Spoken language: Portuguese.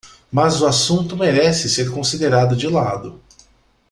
Mas o assunto merece ser considerado de lado.